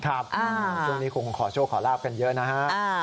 ครับจุดนี้คงขอโชคขอลาภกันเยอะนะฮะ